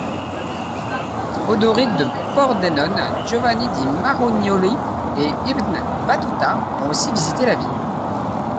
Odoric de Pordenone, Giovanni di Marignolli et Ibn Battûta ont aussi visité la ville.